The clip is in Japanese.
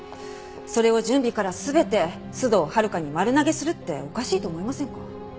それを準備から全て須藤温香に丸投げするっておかしいと思いませんか？